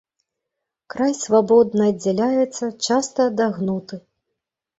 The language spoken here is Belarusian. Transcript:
Край свабодна аддзяляецца, часта адагнуты.